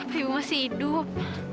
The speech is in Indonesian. apa ibu masih hidup